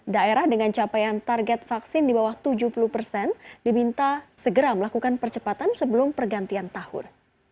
daerah dengan capaian target vaksin di bawah tujuh puluh persen diminta segera melakukan percepatan sebelum pergantian tahun